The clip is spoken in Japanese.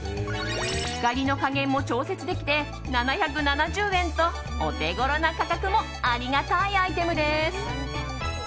光の加減も調節できて７７０円とオテゴロな価格もありがたいアイテムです。